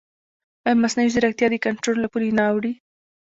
ایا مصنوعي ځیرکتیا د کنټرول له پولې نه اوړي؟